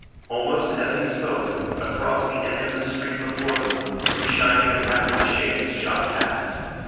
Almost as he spoke, across the end of the street before them two shining and rattling shapes shot past.